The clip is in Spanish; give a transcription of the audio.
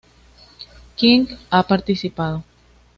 King han participado.